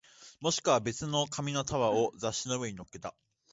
もしくは別の紙の束を雑誌の上に乗っけた